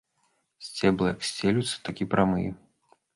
Сцеблы як сцелюцца, так і прамыя.